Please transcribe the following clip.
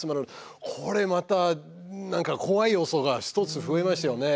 これまた何か怖い要素が一つ増えましたよね。